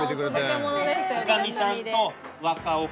女将さんと若女将。